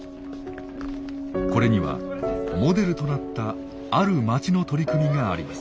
これにはモデルとなったある町の取り組みがあります。